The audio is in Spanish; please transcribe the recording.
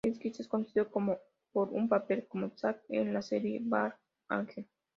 Es quizás conocido por su papel como Zack en la serie "Dark Angel".